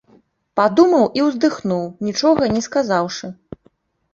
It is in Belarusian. Падумаў і ўздыхнуў, нічога не сказаўшы.